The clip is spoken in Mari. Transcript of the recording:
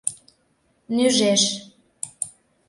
Нӱжеш!